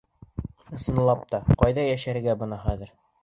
Ысынлап та, ҡайҙа йәшерергә быны хәҙер?